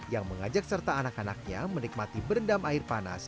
yang mengajak serta anak anaknya menikmati berendam air panas